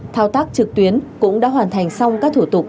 thao tác trực tuyến cũng đã hoàn thành xong các thủ tục